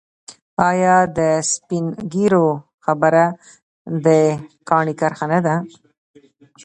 آیا د سپین ږیرو خبره د کاڼي کرښه نه ده؟